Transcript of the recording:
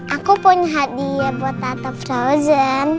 aku punya hadiah buat tato frozen